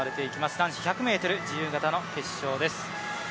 男子１００ｍ自由形の決勝です。